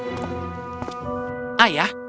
aku tidak ingin kau mencari